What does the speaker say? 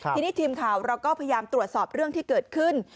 ทีนี้ทีมข่าวเราก็พยายามตรวจสอบเรื่องที่เกิดขึ้น